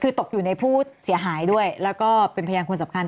คือตกอยู่ในผู้เสียหายด้วยแล้วก็เป็นพยานคนสำคัญ